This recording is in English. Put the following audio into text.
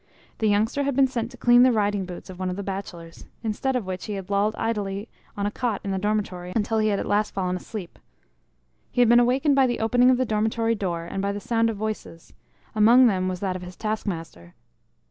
The youngster had been sent to clean the riding boots of one of the bachelors, instead of which he had lolled idly on a cot in the dormitory, until he had at last fallen asleep. He had been awakened by the opening of the dormitory door and by the sound of voices among them was that of his taskmaster.